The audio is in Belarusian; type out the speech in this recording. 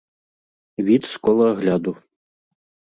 Від з кола агляду.